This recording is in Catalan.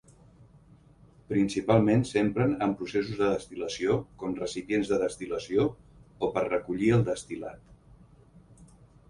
Principalment s'empren en processos de destil·lació com recipients de destil·lació o per recollir el destil·lat.